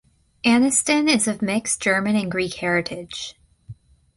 Aniston is of mixed German and Greek heritage.